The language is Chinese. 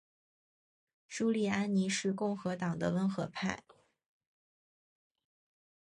朱利安尼是共和党的温和派。